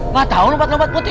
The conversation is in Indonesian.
gak tau lompat lompat putih